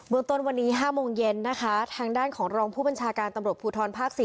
เมืองต้นวันนี้๕โมงเย็นนะคะทางด้านของรองผู้บัญชาการตำรวจภูทรภาค๔